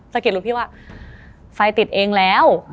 สะกิดหลวงพี่ว่าไฟติดเองแล้ว